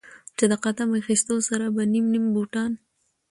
چې د قدم اخيستو سره به نيم نيم بوټان